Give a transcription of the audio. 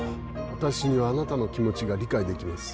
私にはあなたの気持ちが理解できます。